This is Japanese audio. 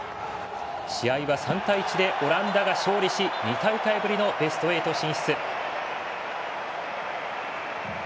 試合は３対１でオランダが勝利し２大会ぶりのベスト８進出。